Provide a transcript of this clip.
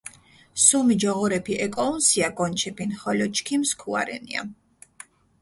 სუმი ჯოღორეფი ეკოჸუნსია გონჩეფინ, ხოლო ჩქიმ სქუა რენია.